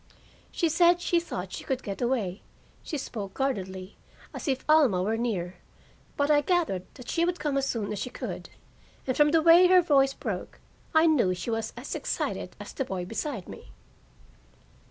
She said she thought she could get away; she spoke guardedly, as if Alma were near, but I gathered that she would come as soon as she could, and, from the way her voice broke, I knew she was as excited as the boy beside me.